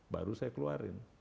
baru saya keluarin